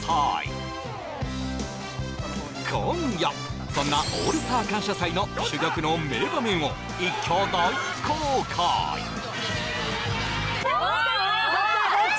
今夜そんな「オールスター感謝祭」の珠玉の名場面を一挙大公開わーっ！